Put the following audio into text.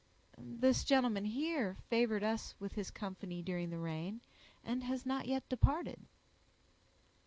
"This gentleman—here—favored us with his company during the rain, and has not yet departed."